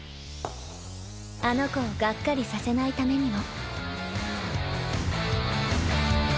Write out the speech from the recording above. あの子をガッカリさせないためにも。